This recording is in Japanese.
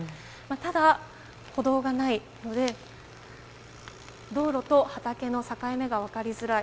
ただ、歩道がないので道路と畑の境目が分かりづらい。